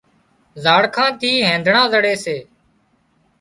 زاڙکان ٿي اينڌڻان زڙي سي